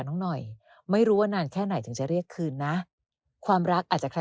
น้องหน่อยไม่รู้ว่านานแค่ไหนถึงจะเรียกคืนนะความรักอาจจะใคร